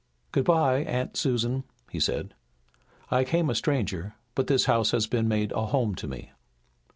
"Good bye, Aunt Susan," he said. "I came a stranger, but this house has been made a home to me."